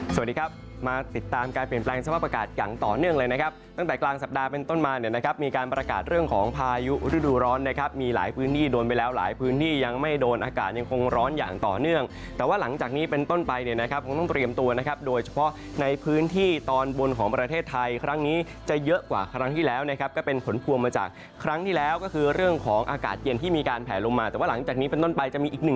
สวัสดีครับมาติดตามการเปลี่ยนแปลงสภาพอากาศอย่างต่อเนื่องเลยนะครับตั้งแต่กลางสัปดาห์เป็นต้นมาเนี่ยนะครับมีการประกาศเรื่องของพายุฤดูร้อนนะครับมีหลายพื้นที่โดนไปแล้วหลายพื้นที่ยังไม่โดนอากาศยังคงร้อนอย่างต่อเนื่องแต่ว่าหลังจากนี้เป็นต้นไปเนี่ยนะครับคงต้องเตรียมตัวนะครับโดยเฉพาะใ